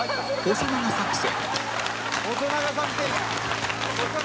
細長作戦！」